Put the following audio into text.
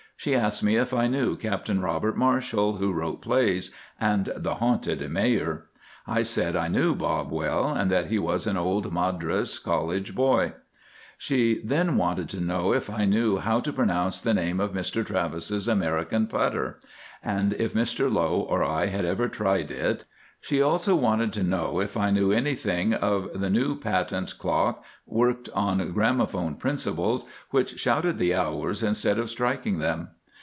She asked me if I knew Captain Robert Marshall, who wrote plays and "The Haunted Mayor." I said I knew Bob well, and that he was an old Madras College boy. She then wanted to know if I knew how to pronounce the name of Mr Travis's American putter, and if Mr Low or I had ever tried it. She also wanted to know if I knew anything of the new patent clock worked on gramophone principles which shouted the hours instead of striking them.